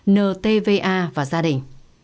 ntva và gia đình